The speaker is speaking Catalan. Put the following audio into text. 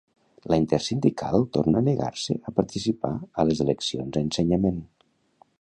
La Intersindical torna a negar-se a participar a les eleccions a Ensenyament.